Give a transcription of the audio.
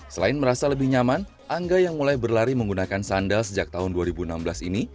selain merasa lebih nyaman angga yang mulai berlari menggunakan sandal sejak tahun dua ribu enam belas ini